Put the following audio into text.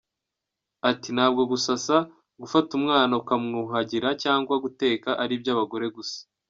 Ati "Ntabwo gusasa, gufata umwana ukamwuhagira cyangwa guteka ari iby’abagore gusa.